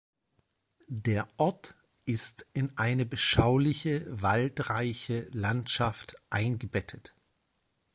Der Ort ist in eine beschauliche waldreiche Landschaft eingebettet.